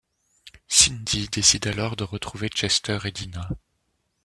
Sin-Dee décide alors de retrouver Chester et Dinah.